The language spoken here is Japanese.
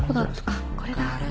あっこれだ。